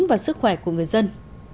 và sức khỏe của người dân